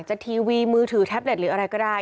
ทีวีมือถือแท็บเล็ตหรืออะไรก็ได้